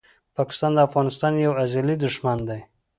پاکستان د افغانستان یو ازلي دښمن دی!